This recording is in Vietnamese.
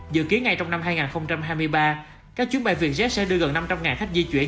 dự kiến ngay trong năm hai nghìn hai mươi ba các chuyến bay vietjet sẽ đưa gần năm trăm linh khách di chuyển